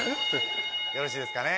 よろしいですかね？